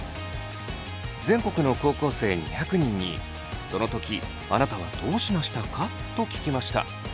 全国の高校生２００人に「その時あなたはどうしましたか？」と聞きました。